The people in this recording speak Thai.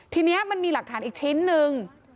ทีนี้มันมีหลักฐานอีกชิ้นนึง